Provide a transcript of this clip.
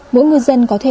mỗi người dân có thể